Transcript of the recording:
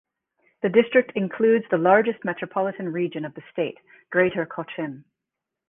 The district includes the largest metropolitan region of the state, Greater Cochin.